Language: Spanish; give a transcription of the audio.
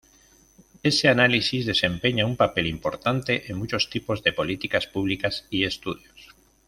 Ese análisis desempeña un papel importante en muchos tipos de políticas públicas y estudios.